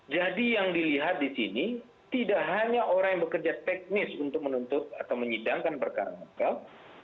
jadi yang dilihat di sini tidak hanya orang yang bekerja teknis untuk menuntut atau menyidangkan perkara perkara